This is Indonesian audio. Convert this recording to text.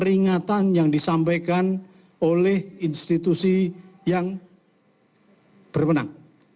ingatan yang disampaikan oleh institusi yang berpenang